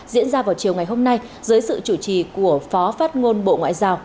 diễn ra vào chiều ngày hôm nay dưới sự chủ trì của phó phát ngôn bộ ngoại giao